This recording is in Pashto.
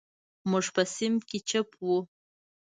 موږ په صنف کې چپ وو.